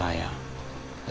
saya gak mau cekin ke hotel